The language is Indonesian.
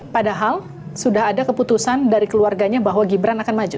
padahal sudah ada keputusan dari keluarganya bahwa gibran akan maju